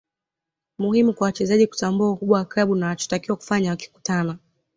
Muhimu kwa wachezaji kutambua ukubwa wa klabu na wanachotakiwa kufanya wakikutana